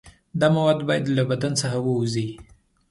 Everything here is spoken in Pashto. دا مواد باید له بدن څخه ووځي.